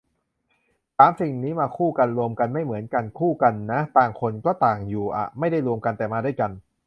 สามสิ่งนี้มาคู่กัน "รวมกัน" ไม่เหมือน "คู่กัน" นะ ต่างคนก็ต่างอยู่อ่ะ ไม่ได้รวมกัน แต่มาด้วยกัน